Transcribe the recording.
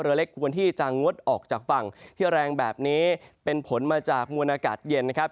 เล็กควรที่จะงดออกจากฝั่งที่แรงแบบนี้เป็นผลมาจากมวลอากาศเย็นนะครับ